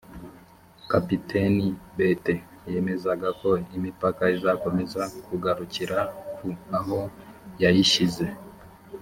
kapiteni bethe yemezaga ko imipaka izakomeza kugarukira ku aho yayishyize